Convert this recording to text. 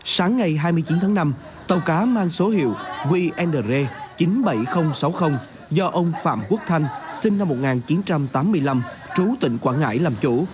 sáng ngày hai mươi chín tháng năm tàu cá mang số hiệu qngr chín mươi bảy nghìn sáu mươi do ông phạm quốc thanh sinh năm một nghìn chín trăm tám mươi năm trú tỉnh quảng ngãi làm chủ